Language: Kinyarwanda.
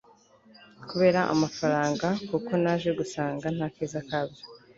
kubera amafaranga, kuko naje gusanga ntakeza kabyo